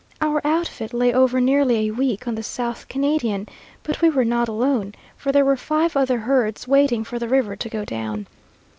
Our outfit lay over nearly a week on the South Canadian, but we were not alone, for there were five other herds waiting for the river to go down.